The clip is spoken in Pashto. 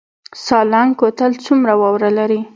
سالنګ کوتل څومره واوره لري؟